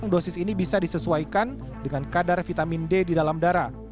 dosis ini bisa disesuaikan dengan kadar vitamin d di dalam darah